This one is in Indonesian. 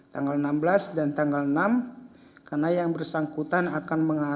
tanggal enam belas dan tanggal enam karena yang bersangkutan